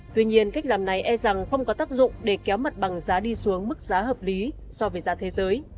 tuy nhiên cách làm này e rằng không có tác dụng để kéo mặt bằng giá đi xuống mức giá hợp lý so với giá thế giới